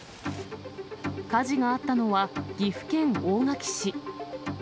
火事があったのは、岐阜県大垣市。